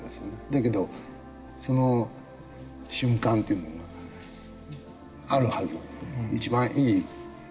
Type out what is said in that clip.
だけどその瞬間というのがあるはずなんだよね。